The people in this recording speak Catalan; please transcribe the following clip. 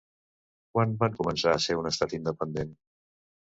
Quan va començar a ser un estat independent?